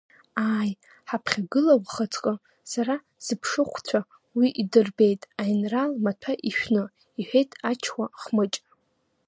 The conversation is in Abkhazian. Ааи, ҳаԥхьагыла ухаҵкы, сара сыԥшыхәцәа уи дырбеит аинрал маҭәа ишәны, — иҳәеит Ачуа Хмыҷ.